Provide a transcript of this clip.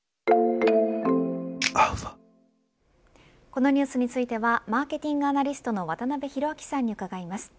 このニュースについてはマーケティングアナリストの渡辺裕之さんに伺います。